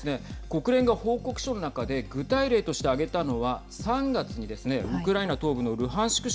国連が報告書の中で具体例として挙げたのは３月にですねウクライナ東部のルハンシク